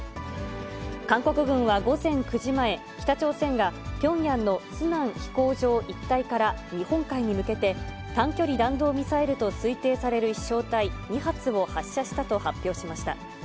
韓国軍は午前９時前、北朝鮮がピョンヤンのスナン飛行場一帯から日本海に向けて、短距離弾道ミサイルと推定される飛しょう体２発を発射したと発表しました。